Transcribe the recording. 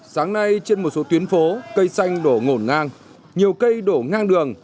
sáng nay trên một số tuyến phố cây xanh đổ ngổn ngang nhiều cây đổ ngang đường